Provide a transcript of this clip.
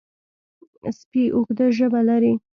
سپي اوږده ژبه لري.